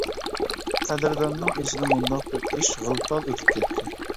قەدىرداننىڭ ئىسىدىن مۇنداق بىر ئىش غىل-پال ئۆتۈپ كەتتى.